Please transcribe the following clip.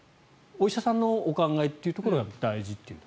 お医者さんのお考えというところがやっぱり大事という。